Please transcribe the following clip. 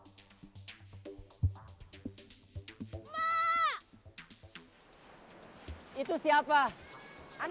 ngapain ya orang